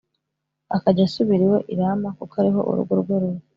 akajya asubira iwe i rama kuko ari ho urugo rwe ruri